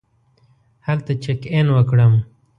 هلته چېک اېن وکړم.